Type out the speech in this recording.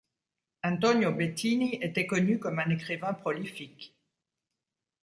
Antonio Bettini était connu comme un écrivain prolifique.